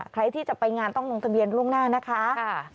ใครที่จะไปงานต้องลงทะเบียนล่วงหน้านะคะ